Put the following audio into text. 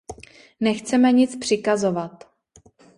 Nechceme nic přikazovat.